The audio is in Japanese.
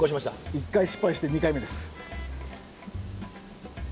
１回失敗して２回目です。